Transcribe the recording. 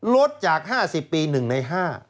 ลดจาก๕๐ปี๑ใน๕